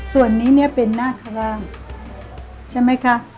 ส่วนนี้เนี่ยเป็นหน้าข้างล่างใช่ไหมคะ